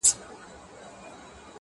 سره ورک یې کړل زامن وروڼه پلرونه،